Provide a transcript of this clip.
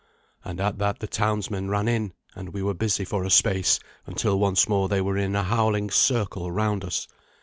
And at that the townsmen ran in, and we were busy for a space, until once more they were in a howling circle round us.